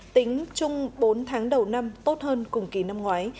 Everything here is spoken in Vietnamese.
tính chung bốn tháng đầu năm tốt hơn cùng kỳ năm ngoái